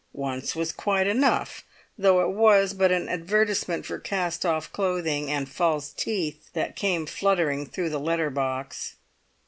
Once was quite enough, though it was but an advertisement for cast off clothing (and false teeth) that came fluttering through the letter box.